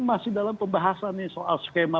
masih dalam pembahasan nih soal skema